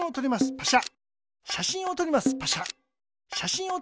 パシャ。